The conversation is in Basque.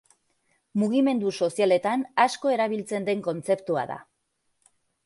Mugimendu sozialetan asko erabiltzen den kontzeptua da.